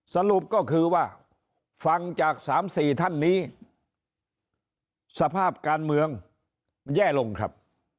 สรุปก็คือว่าฟังจาก๓๔ท่านนี้สภาพการเมืองแย่ลงครับ